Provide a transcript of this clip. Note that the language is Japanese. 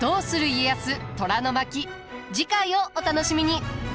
次回をお楽しみに。